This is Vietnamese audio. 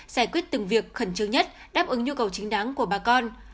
giải quyết từng việc khẩn trương nhất đáp ứng nhu cầu chính đáng của bà con